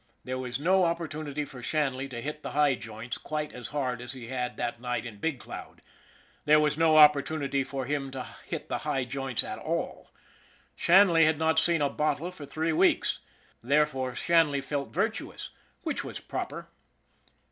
There was no opportunity for Shanley to hit the high joints quite as hard as he had that night in Big Cloud there was no oppor tunity for him to hit the high joints at all. Shanley had not seen a bottle for three weeks. Therefore Shanley felt virtuous, which was proper.